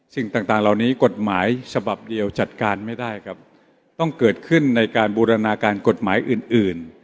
สิ่งต่างต่างเหล่านี้กฎหมายฉบับเดียวจัดการไม่ได้ครับต้องเกิดขึ้นในการบูรณาการกฎหมายอื่นอื่น